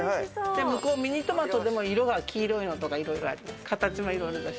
ミニトマトでも黄色いのとかいろいろあります。